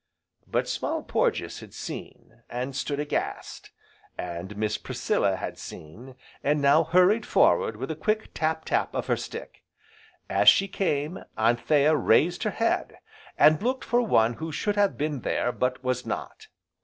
But Small Porges had seen, and stood aghast, and Miss Priscilla had seen, and now hurried forward with a quick tap, tap of her stick. As she came, Anthea raised her head, and looked for one who should have been there, but was not.